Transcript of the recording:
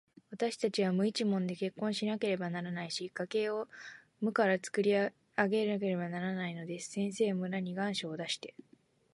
わたしたちは無一文で結婚しなければならないし、家計を無からつくり上げなければならないのです。先生、村に願書を出して、